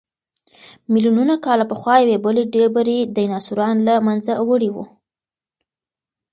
ملیونونه کاله پخوا یوې بلې ډبرې ډیناسوران له منځه وړي وو.